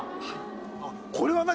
これは何？